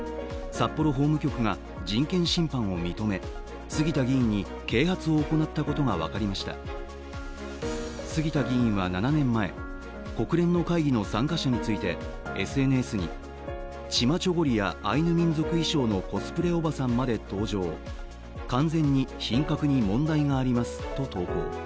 札幌法務局が人権侵犯を認め杉田議員は７年前、国連の参加者についてＳＮＳにチマチョゴリやアイヌ民族衣装のコスプレおばさんまで登場、完全に品格に問題がありますと投稿。